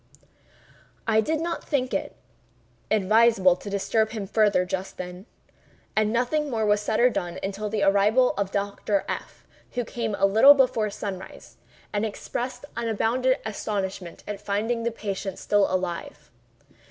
I did not think it advisable to disturb him farther just then, and nothing more was said or done until the arrival of Dr. F——, who came a little before sunrise, and expressed unbounded astonishment at finding the patient still alive.